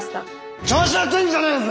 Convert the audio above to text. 調子乗ってんじゃねえぞ！